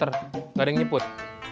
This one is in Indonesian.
enggak ada yang nyebut